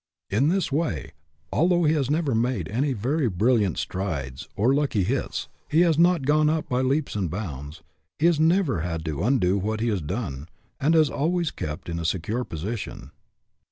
In this way, although he has never made any very brilliant strides or " lucky hits," and has not gone up by leaps and bounds, he has never had to undo what he has done, and has always kept in a sure position.